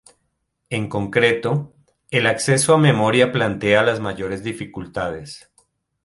En concreto, el acceso a memoria plantea las mayores dificultades.